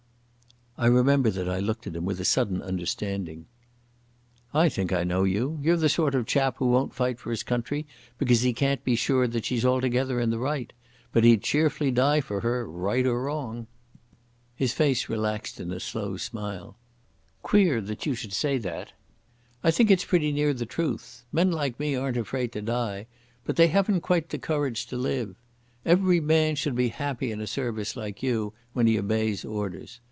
I remember that I looked at him with a sudden understanding. "I think I know you. You're the sort of chap who won't fight for his country because he can't be sure that she's altogether in the right. But he'd cheerfully die for her, right or wrong." His face relaxed in a slow smile. "Queer that you should say that. I think it's pretty near the truth. Men like me aren't afraid to die, but they haven't quite the courage to live. Every man should be happy in a service like you, when he obeys orders.